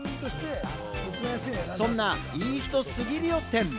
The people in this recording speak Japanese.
そんな、いい人すぎるよ展。